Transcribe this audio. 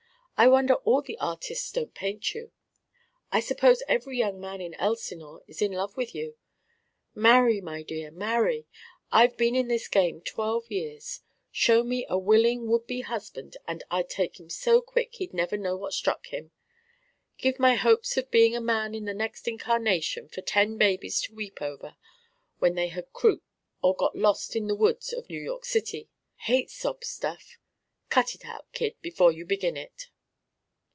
I wonder all the artists don't paint you. I suppose every young man in Elsinore is in love with you. Marry, my dear, marry. I've been in this game twelve years. Show me a willing would be husband and I'd take him so quick he'd never know what struck him. Give my hopes of being a man in the next incarnation for ten babies to weep over when they had croup or got lost in the woods of New York City. Hate sob stuff. Cut it out, kid, before you begin it."